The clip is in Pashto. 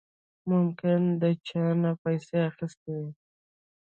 ممکن د چانه يې پيسې اخېستې وي.